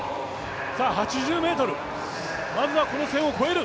さあ、８０ｍ、まずはこの線を越える。